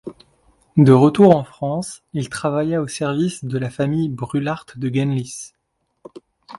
De retour en France, il travailla au service de la famille Brûlart de Genlis.